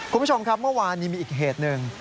คุณผู้ชมครับเมื่อวานนี้มีอีกเหตุหนึ่ง